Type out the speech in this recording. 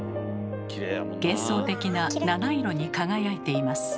幻想的な七色に輝いています。